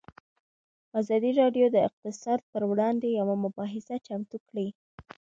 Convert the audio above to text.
ازادي راډیو د اقتصاد پر وړاندې یوه مباحثه چمتو کړې.